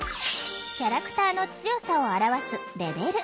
キャラクターの強さをあらわすレベル。